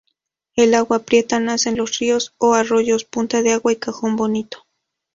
Del Agua Prieta nacen los ríos o arroyos Punta de Agua y Cajón Bonito.